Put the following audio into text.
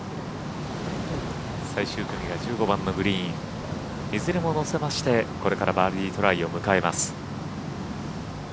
最終組は１５番のグリーンいずれも乗せましてこれからバーディートライを迎えます。